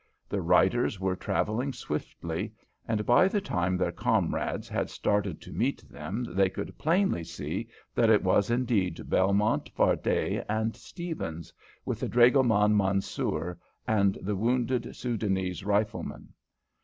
The riders were travelling swiftly, and by the time their comrades had started to meet them they could plainly see that it was indeed Belmont, Fardet, and Stephens, with the dragoman Mansoor, and the wounded Soudanese rifleman.